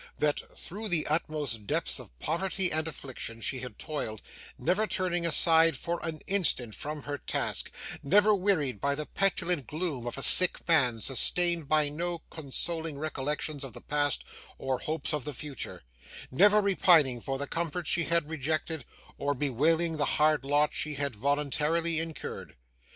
That through the utmost depths of poverty and affliction she had toiled, never turning aside for an instant from her task, never wearied by the petulant gloom of a sick man sustained by no consoling recollections of the past or hopes of the future; never repining for the comforts she had rejected, or bewailing the hard lot she had voluntarily incurred.